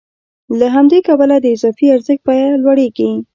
له همدې کبله د اضافي ارزښت بیه لوړېږي